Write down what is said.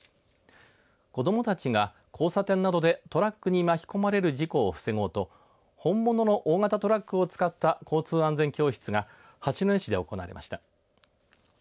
子どもたちが交差点などでトラックに巻き込まれる事故を防ごうと本物の大型トラックを使った交通安全教室が八戸市で行われました。